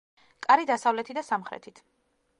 კარი დასავლეთი და სამხრეთით.